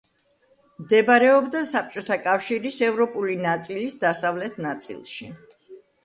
მდებარეობდა საბჭოთა კავშირის ევროპული ნაწილის დასავლეთ ნაწილში.